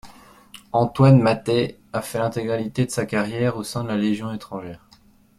Antoine Mattei a fait l'intégralité de sa carrière au sein de la Légion étrangère.